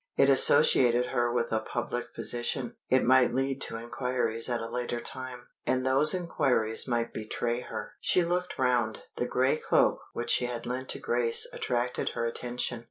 It associated her with a public position; it might lead to inquiries at a later time, and those inquiries might betray her. She looked round. The gray cloak which she had lent to Grace attracted her attention.